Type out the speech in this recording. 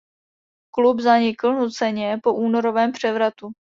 Klub zanikl nuceně po únorovém převratu.